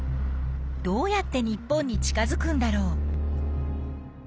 どうやって日本に近づくんだろう？